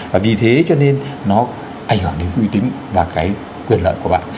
và vì thế cho nên nó ảnh hưởng đến uy tín và cái quyền lợi của bạn